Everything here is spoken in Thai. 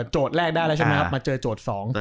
โจทย์แรกได้แล้วใช่มั้ยครับมาเจอโจทย์๒